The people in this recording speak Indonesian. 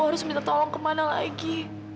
harus minta tolong kemana lagi